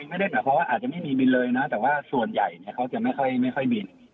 อาจจะไม่มีบินเลยนะแต่ว่าส่วนใหญ่เขาจะไม่ค่อยบิน